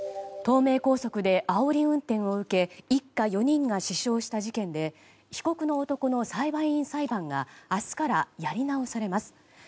東名高速であおり運転を受け一家４人が死傷した事件で被告の男の裁判員裁判が明日からやり直されます。